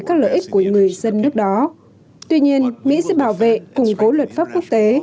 các lợi ích của người dân nước đó tuy nhiên mỹ sẽ bảo vệ củng cố luật pháp quốc tế